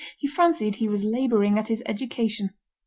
He fancied he was labouring at his education.